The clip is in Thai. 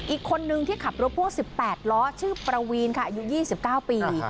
อีกคนนึงที่ขับรถพ่วง๑๘ล้อชื่อประวีนค่ะอายุ๒๙ปี